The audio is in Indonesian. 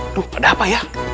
aduh ada apa ya